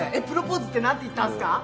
プロポーズって何て言ったんすか？